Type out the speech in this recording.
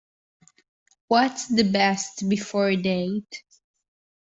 What’s the Best Before date?